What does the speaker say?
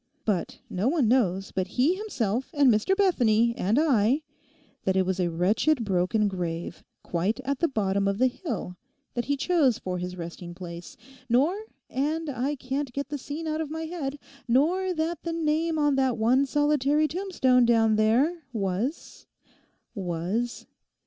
But no one knows but he himself and Mr Bethany and I, that it was a wretched broken grave, quite at the bottom of the hill, that he chose for his resting place, nor—and I can't get the scene out of my head—nor that the name on that one solitary tombstone down there was—was...